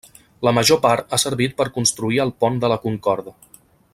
La major part ha servit per construir el pont de la Concorde.